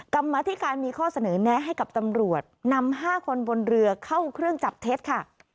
กรรมธิการมีข้อเสนอแนะให้กับตำรวจนำ๕คนบนเรือเข้าเครื่องจับเท็จค่ะ